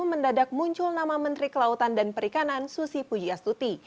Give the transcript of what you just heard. mendadak muncul nama menteri kelautan dan perikanan susi pujiastuti